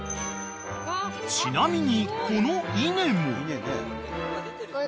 ［ちなみにこの稲も］